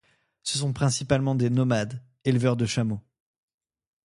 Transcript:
Ce sont principalement des nomades, éleveurs de chameaux.